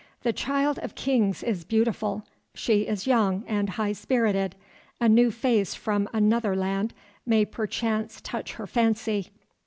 The Child of Kings is beautiful, she is young and high spirited; a new face from another land may perchance touch her fancy.